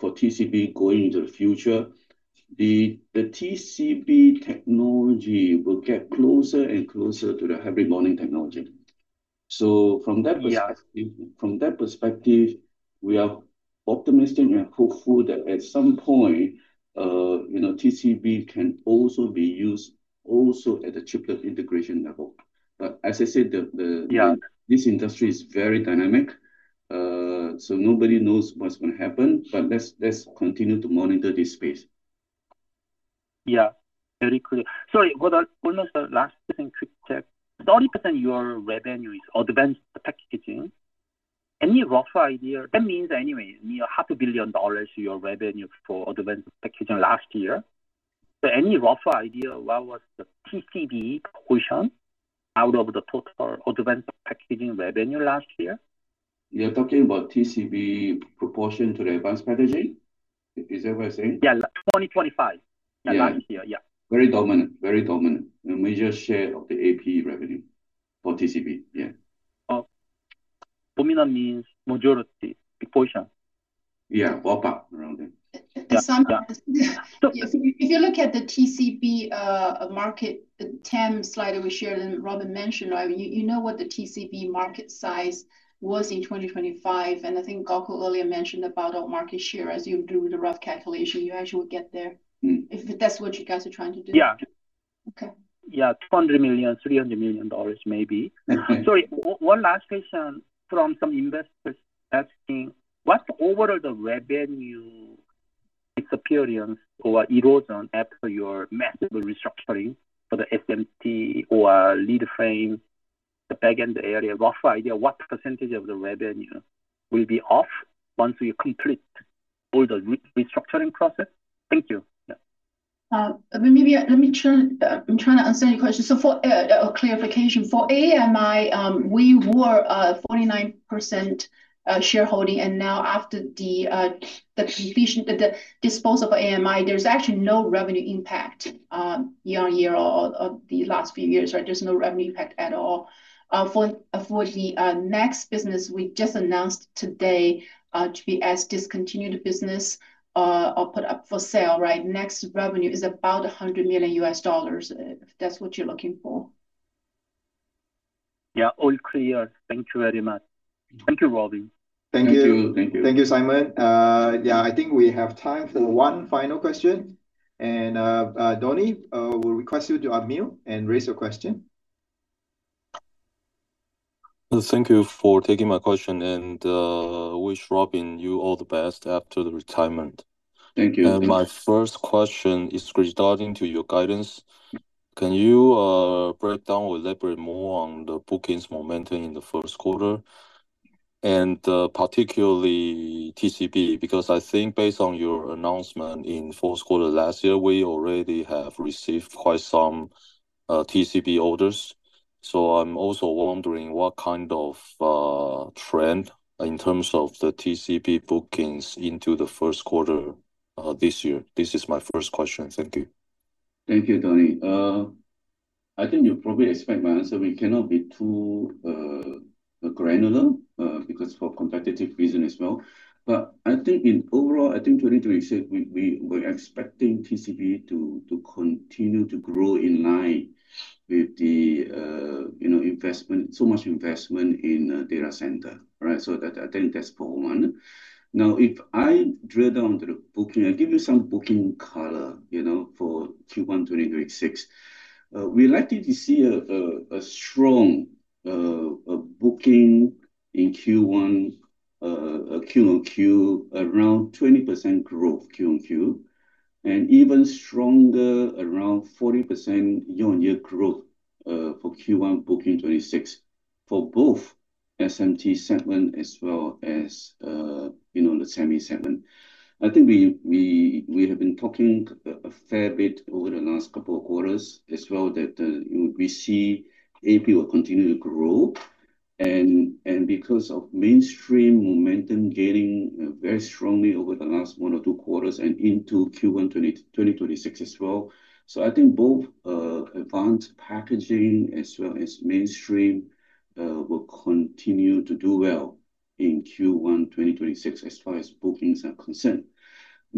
for TCB going into the future. The TCB technology will get closer and closer to the Hybrid Bonding technology. So from that perspective. Yeah. From that perspective, we are optimistic and hopeful that at some point, you know, TCB can also be used also at the chiplet integration level. As I said, Yeah. This industry is very dynamic. Nobody knows what's going to happen. Sure. Let's continue to monitor this space. Yeah. Very clear. Sorry, almost the last question, quick check. 30% your revenue is Advanced Packaging. That means anyway near half a billion dollars your revenue for Advanced Packaging last year. Any rough idea what was the TCB portion out of the total Advanced Packaging revenue last year? You're talking about TCB proportion to the Advanced Packaging? Is that what you're saying? Yeah. 2025. Yeah. Last year. Yeah. Very dominant. A major share of the AP revenue for TCB, yeah. Dominant means majority portion. Yeah. Well, about, around there. Yeah. Simon, if you look at the TCB market, the TEM slide that we shared and Robin mentioned, right? You know what the TCB market size was in 2025, and I think Gokul earlier mentioned about our market share. As you do the rough calculation, you actually will get there. Mm. If that's what you guys are trying to do. Yeah. Okay. Yeah. $200 million, $300 million maybe. Okay. Sorry, one last question from some investors asking what's the overall the revenue disappearance or erosion after your massive restructuring for the SMT or leadframe, the backend area. Rough idea what percentage of the revenue will be off once you complete all the restructuring process? Thank you. Yeah. Maybe, I'm trying to answer your question. For a clarification. For AAMI, we were 49% shareholding, and now after the disposal for AAMI, there's actually no revenue impact year-over-year or the last few years. There's no revenue impact at all. For the NEXX business we just announced today, to be as discontinued business, or put up for sale. NEXX revenue is about $100 million, if that's what you're looking for. Yeah. All clear. Thank you very much. Thank you, Robin. Thank you. Thank you. Thank you, Simon. Yeah. I think we have time for one final question. Donnie, we'll request you to unmute and raise your question. Thank you for taking my question, and wish Robin you all the best after the retirement. Thank you. My first question is regarding to your guidance. Can you break down or elaborate more on the bookings momentum in the first quarter? Particularly TCB, because I think based on your announcement in fourth quarter last year, we already have received quite some TCB orders. I'm also wondering what kind of trend in terms of the TCB bookings into the first quarter this year. This is my first question. Thank you. Thank you, Tony. I think you probably expect my answer. We cannot be too granular because for competitive reason as well. I think in overall, I think 2026, we were expecting TCB to continue to grow in line with the, you know, investment, so much investment in data center. Right. I think that's point 1. Now, if I drill down to the booking, I'll give you some booking color, you know, for Q1 2026. We likely to see a strong booking in Q1, QoQ, around 20% growth QoQ, and even stronger, around 40% year-on-year growth for Q1 booking 2026 for both SMT segment as well as, you know, the SEMl segment. I think we have been talking a fair bit over the last couple of quarters as well that, you know, we see AP will continue to grow and because of mainstream momentum gaining, you know, very strongly over the last one or two quarters and into Q1 2026 as well. I think both, Advanced Packaging as well as mainstream will continue to do well in Q1 2026 as far as bookings are concerned.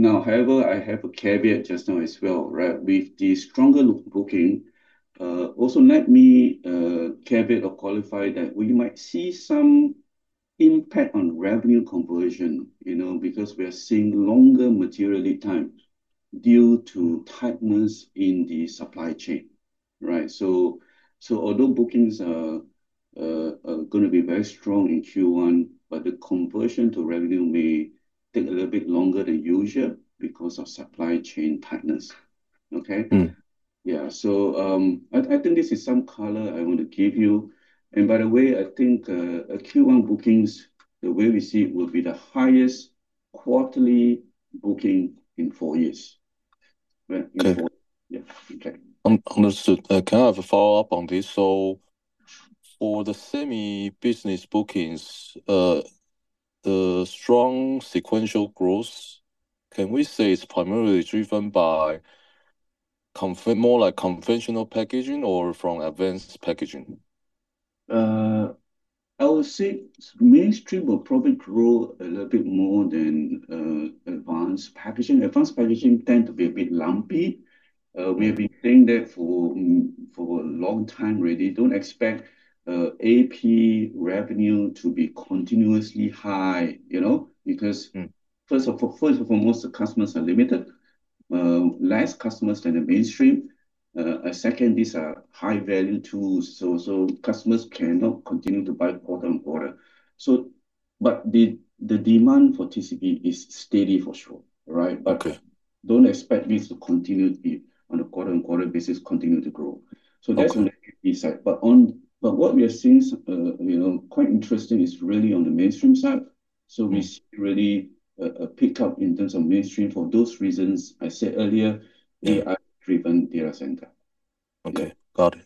However, I have a caveat just now as well, right? With the stronger booking, also let me caveat or qualify that we might see some impact on revenue conversion, you know, because we are seeing longer material time due to tightness in the supply chain, right? Although bookings are gonna be very strong in Q1, but the conversion to revenue may take a little bit longer than usual because of supply chain tightness. Okay? Yeah. I think this is some color I want to give you. I think Q1 bookings, the way we see it, will be the highest quarterly booking in four years. Okay. Yeah. Okay. Understood. Can I have a follow-up on this? For the SEMI business bookings, the strong sequential growth, can we say it's primarily driven by conventional packaging or from Advanced Packaging? I would say mainstream will probably grow a little bit more than Advanced Packaging. Advanced Packaging tend to be a bit lumpy. We have been saying that for a long time already. Don't expect AP revenue to be continuously high, you know? First of all, first and foremost, the customers are limited. Less customers than the mainstream. Second, these are high-value tools, so customers cannot continue to buy quarter-on-quarter. But the demand for TCB is steady for sure. Right? Okay. Don't expect this to continue to be on a quarter-over-quarter basis continue to grow. Okay. That's on the AP side. What we are seeing, you know, quite interesting is really on the mainstream side. We see really a pickup in terms of mainstream for those reasons I said earlier. Yeah... AI-driven data center. Okay. Got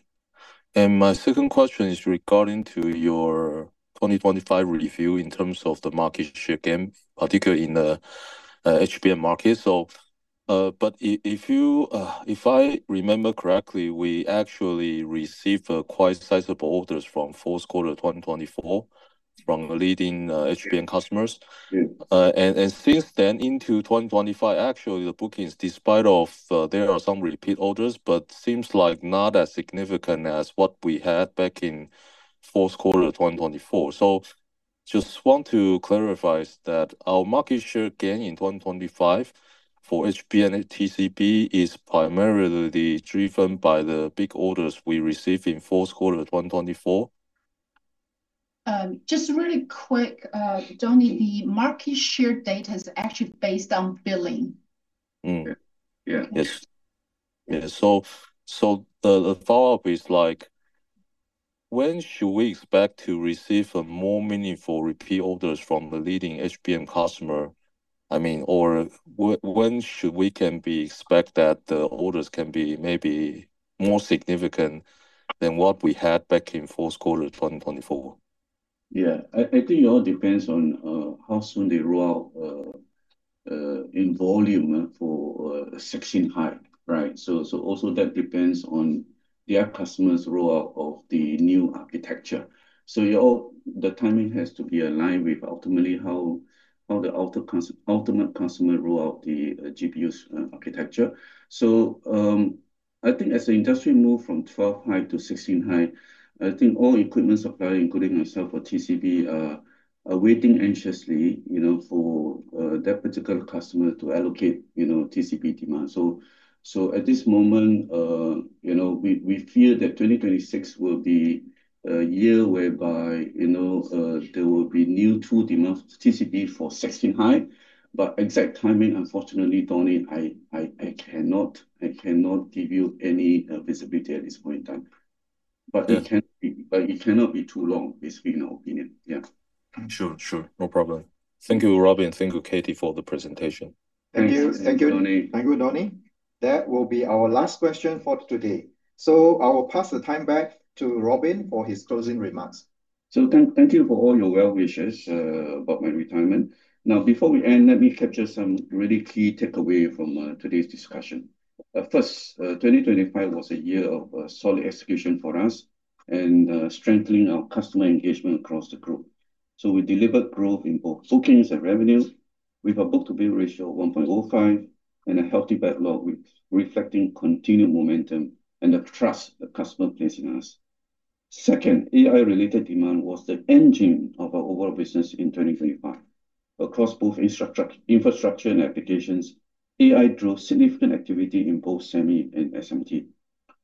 it. My second question is regarding to your 2025 review in terms of the market share gain, particularly in the HBM market. If you, if I remember correctly, we actually received quite sizable orders from 4Q 2024 from leading HBM customers and since then into 2025, actually, the bookings, despite of, there are some repeat orders, but seems like not as significant as what we had back in fourth quarter 2024. Just want to clarify is that our market share gain in 2025 for HBM and TCB is primarily driven by the big orders we received in fourth quarter 2024? Just really quick, Tony, the market share data is actually based on billing. Yeah. Yes. Yeah. The follow-up is like, when should we expect to receive more meaningful repeat orders from the leading HBM customer? I mean, or when should we can be expect that the orders can be maybe more significant than what we had back in fourth quarter 2024? Yeah. I think it all depends on how soon they roll out in volume for 16-high. Right? Also that depends on their customers' rollout of the new architecture. The timing has to be aligned with ultimately how the ultimate customer roll out the GPU's architecture. I think as the industry move from 12-high to 16-high, I think all equipment supplier, including ourself for TCB, are waiting anxiously, you know, for that particular customer to allocate, you know, TCB demand. At this moment, you know, we feel that 2026 will be a year whereby, you know, there will be new tool demand TCB for 16-high. Exact timing, unfortunately, Tony, I cannot give you any visibility at this point in time. Yeah. It cannot be too long, basically, in our opinion. Yeah. Sure. Sure. No problem. Thank you, Robin. Thank you, Katie, for the presentation. Thank you. Thank you. Thank you, Tony. That will be our last question for today. I will pass the time back to Robin for his closing remarks. Thank you for all your well wishes about my retirement. Now, before we end, let me capture some really key takeaway from today's discussion. First, 2025 was a year of solid execution for us and strengthening our customer engagement across the group. We delivered growth in both bookings and revenue with our book-to-bill ratio of 1.05 and a healthy backlog reflecting continued momentum and the trust the customer place in us. Second, AI-related demand was the engine of our overall business in 2025. Across both infrastructure and applications, AI drove significant activity in both SEMl and SMT.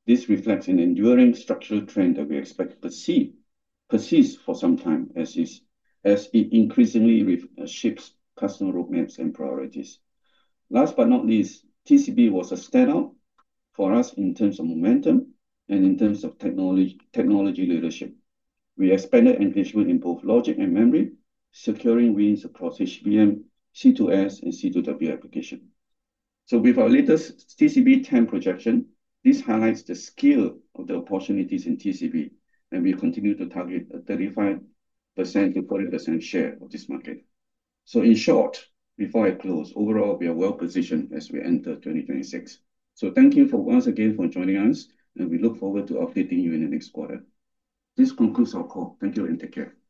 This reflects an enduring structural trend that we expect to perceive, persist for some time as is, as it increasingly shapes customer roadmaps and priorities. Last but not least, TCB was a standout for us in terms of momentum and in terms of technology leadership. We expanded engagement in both Logic and Memory, securing wins across HBM, C2S, and C2W application. With our latest TCB TAM projection, this highlights the scale of the opportunities in TCB, and we continue to target a 35%-40% share of this market. In short, before I close, overall, we are well-positioned as we enter 2026. Thank you for once again for joining us, and we look forward to updating you in the next quarter. This concludes our call. Thank you and take care.